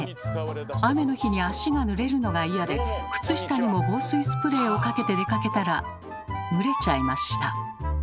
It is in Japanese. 雨の日に足がぬれるのが嫌で靴下にも防水スプレーをかけて出かけたら蒸れちゃいました。